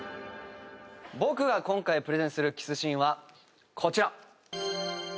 僕が今回プレゼンするキスシーンはこちら！